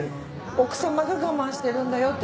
奥様が我慢してるんだよって